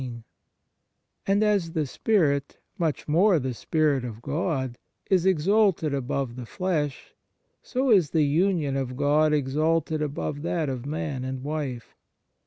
1 And as the spirit, much more the Spirit of God, is exalted above the flesh, so is the union of God exalted above that of man and wife.